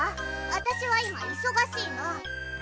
私は今忙しいの。